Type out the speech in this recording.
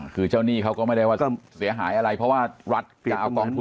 คือเจ้าหนี้เขาก็ไม่ได้ว่าเสียหายอะไรเพราะว่ารัฐจะเอากองทุน